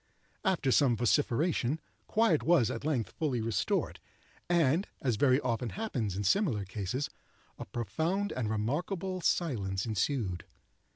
After some vociferation, quiet was at length fully restored, and, as very often happens in similar cases, a profound and remarkable silence ensued.